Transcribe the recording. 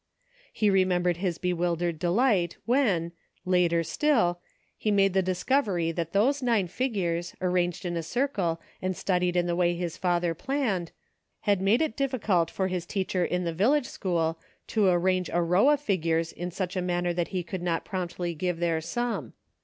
He remembered his bewildered delight, when, later still, he made the discovery that those nine figures, arranged in a circle and studied in the way his father planned, had made it difficult for his teacher in the village school to arrange a row of figures in such a man ner that he could not promptly give their sum.